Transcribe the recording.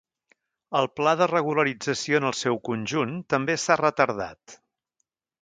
El pla de regularització en el seu conjunt també s'ha retardat.